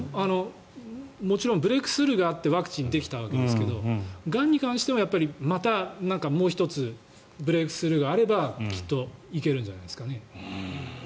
もちろんブレークスルーがあってワクチンができたわけですががんに関しては、また１つブレークスルーがあればきっと行けるんじゃないですかね。